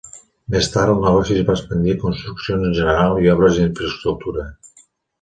Més tard, el negoci es va expandir a construccions en general i obres d'infraestructura.